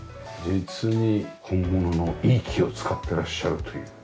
実に本物のいい木を使ってらっしゃるという。